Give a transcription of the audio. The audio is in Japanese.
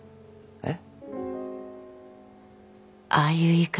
えっ？